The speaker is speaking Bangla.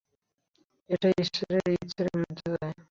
এটা ঈশ্বরের ইচ্ছের বিরুদ্ধে যায়।